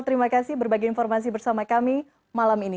terima kasih berbagi informasi bersama kami malam ini